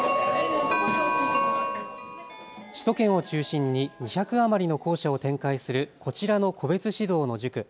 首都圏を中心に２００余りの校舎を展開するこちらの個別指導の塾。